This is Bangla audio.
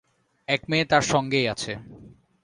এক মেয়ে তাঁর সঙ্গেই আছে।